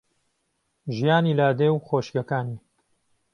ژیانی لادێ و خۆشییەکانی